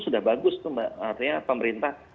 sudah bagus tuh mbak artinya pemerintah